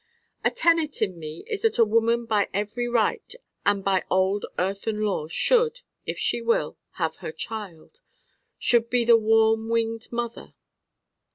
A tenet in me is that a woman by every right and by old earthen law should, if she will, have her child should be the warm winged mother.